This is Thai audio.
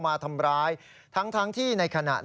มันเกิดเหตุเป็นเหตุที่บ้านกลัว